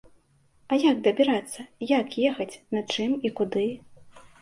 А як дабірацца, як ехаць, на чым і куды?